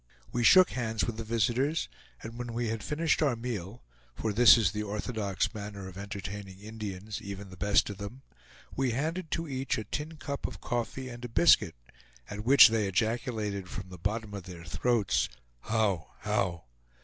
We shook hands with the visitors, and when we had finished our meal for this is the orthodox manner of entertaining Indians, even the best of them we handed to each a tin cup of coffee and a biscuit, at which they ejaculated from the bottom of their throats, "How! how!"